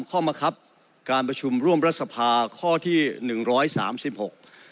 มะครับการประชุมร่วมรัฐสภาข้อที่หนึ่งร้อยสามสิบหก